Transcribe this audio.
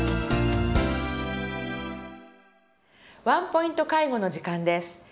「ワンポイント介護」の時間です。